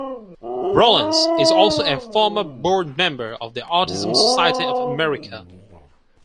Rollens is also a former board member of the Autism Society of America.